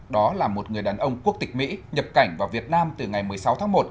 đó là một người đàn ông quốc tịch mỹ nhập cảnh vào việt nam từ ngày một mươi sáu tháng một